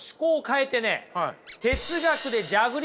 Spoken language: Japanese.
え！